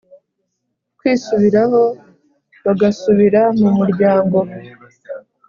kwisubiraho bagasubira mu muryango